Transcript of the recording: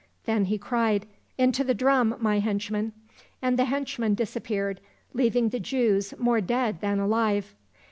Then he cried, " Into the drum, my hench men !" and the henchmen disappeared, leaving the Jews more dead than alive.